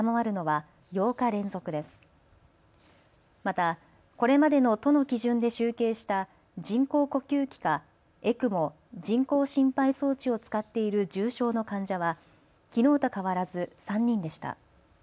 またこれまでの都の基準で集計した人工呼吸器かＥＣＭＯ・人工心肺装置を使っている重症の患者はきのうと変わらず３人でした。